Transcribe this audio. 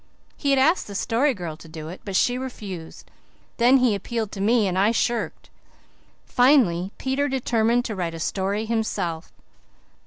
He had asked the Story Girl to do it, but she refused; then he appealed to me and I shirked. Finally Peter determined to write a story himself.